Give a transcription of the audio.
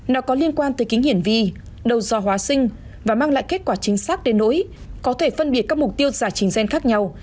nó có liên quan tới kính hiển vi đầu do hóa sinh và mang lại kết quả chính xác đến nỗi có thể phân biệt các mục tiêu giải trình gen khác nhau